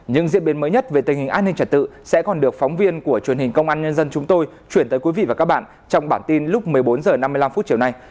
những diễn biến mới nhất về tình hình an ninh trật tự sẽ còn được phóng viên của truyền hình công an nhân dân chúng tôi chuyển tới quý vị và các bạn trong bản tin lúc một mươi bốn h năm mươi năm chiều nay